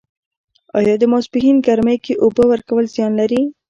آیا د ماسپښین ګرمۍ کې اوبه ورکول زیان لري؟